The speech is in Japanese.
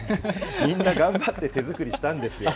みんな頑張って手作りしたんですよ。